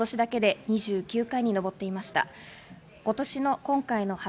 今年だけで２９回に上っていました。